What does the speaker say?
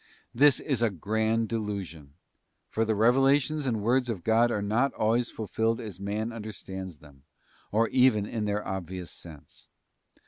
This is a grand delusion, for the revelations and words of God are not always fulfilled as man understands them, or even in their obvious sense.